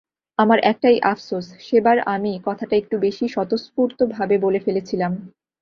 আমার একটাই আফসোস, সেবার আমি কথাটা একটু বেশিই স্বতঃস্ফূর্তভাবে বলে ফেলেছিলাম।